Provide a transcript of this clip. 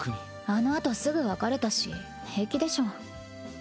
あのあとすぐ別れたし平気でしょ。